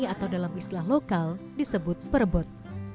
atau dalam istilah lokal disebut perebut